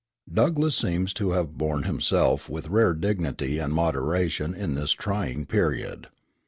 Douglass seems to have borne himself with rare dignity and moderation in this trying period.